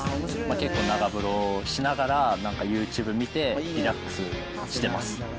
結構長風呂しながら、なんかユーチューブ見て、リラックスしてます。